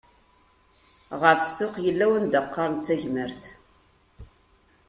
Ɣef ssuq, yella anda iqqaren d tagmert.